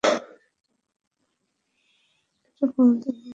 এটা বলতে আমার যা ভালো লাগে!